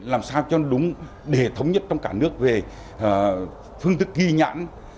làm sao cho đúng để thống nhất trong cả nước về phương thức ghi nhãn